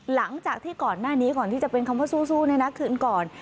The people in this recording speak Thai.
หลังจากที่ก่อนหน้านี้ก่อนที่จะเป็นคำว่าสู้เนี่ยนะคืนก่อน